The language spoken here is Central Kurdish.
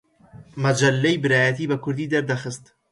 مەجەللەی برایەتی بە کوردی دەردەخست